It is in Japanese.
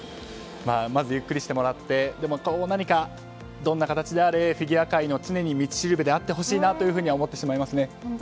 まずゆっくりしてもらってどんな形であれフィギュア界の常に道しるべであってほしいなとは思ってしまいますね。